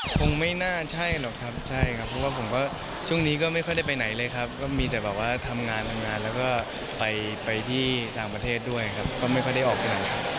คงไม่น่าใช่หรอกครับใช่ครับเพราะว่าผมก็ช่วงนี้ก็ไม่ค่อยได้ไปไหนเลยครับก็มีแต่แบบว่าทำงานทำงานแล้วก็ไปที่ต่างประเทศด้วยครับก็ไม่ค่อยได้ออกงานครับ